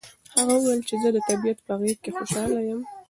هغه وویل چې زه د طبیعت په غېږ کې خوشحاله یم.